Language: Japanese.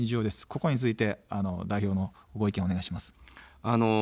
ここについて代表のご意見をお願いします。